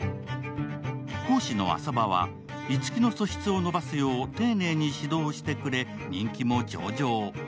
講師の浅葉は樹の素質を伸ばすよう、丁寧に指導してくれ、人気も上々。